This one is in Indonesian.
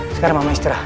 sekarang mama istirahat